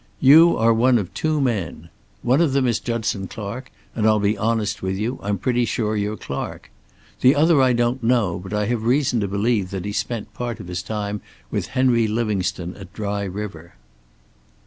You are one of two men. One of them is Judson Clark, and I'll be honest with you; I'm pretty sure you're Clark. The other I don't know, but I have reason to believe that he spent part of his time with Henry Livingstone at Dry River."